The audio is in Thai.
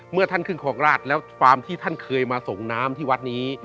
เมื่อท่านขึ้นครองราชแล้วฟาร์มที่ท่านเคยมาส่งน้ำที่วัดนี้